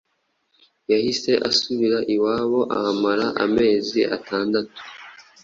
yahise asubira iwabo ahamara amezi atandatu